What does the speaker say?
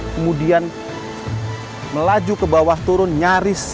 kemudian melaju ke bawah turun nyaris